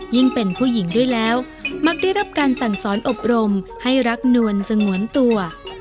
เป็นผู้หญิงด้วยแล้วมักได้รับการสั่งสอนอบรมให้รักนวลสงวนตัว